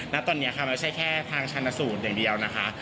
ณตอนนี้ค่ะไม่ใช่แค่ทางชันสูตรอย่างเดียวนะคะ